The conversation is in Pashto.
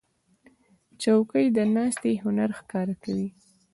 چوکۍ د ناستې هنر ښکاره کوي.